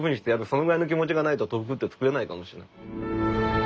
そのぐらいの気持ちがないと豆腐って作れないかもしれない。